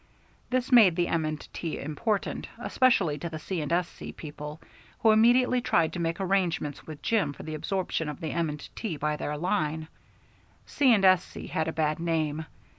This made the M. & T. important, especially to the C. & S.C. people, who immediately tried to make arrangements with Jim for the absorption of the M. & T. by their line. C. & S.C. had a bad name.